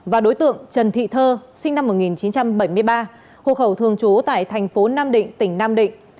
và đối tượng trần thị thơ sinh năm một nghìn chín trăm bảy mươi ba hộ khẩu thường trú tại thành phố nam định tỉnh nam định